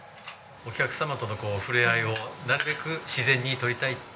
お客様とのこう触れ合いをなるべく自然に取りたい。